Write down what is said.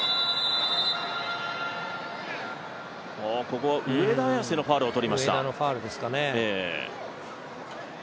ここ、上田綺世のファウルを取りました。